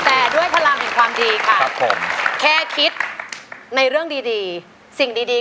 แต่ด้วยพลังแห่งความดีค่ะครับผมแค่คิดในเรื่องดีดีสิ่งดีดี